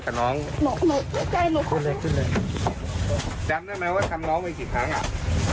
ตอนนี้รู้สึกสั่งมิดฟีดหรือยังครับทุกสิ่งที่ทำกัน